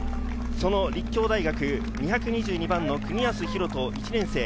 立教大学２２２番の國安広人、１年生。